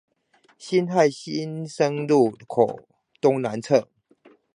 辛亥新生路口東南側